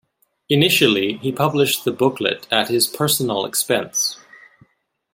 Initially, he published the booklet at his personal expense.